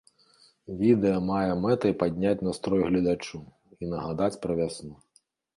Відэа мае мэтай падняць настрой гледачу і нагадаць пра вясну.